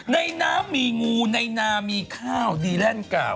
ในน้ำมีงูในนามีข้าวดีแลนด์เก่า